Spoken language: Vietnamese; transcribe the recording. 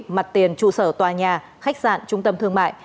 mặt tiền trụ sở tòa nhà khách sạn trung tâm thương mại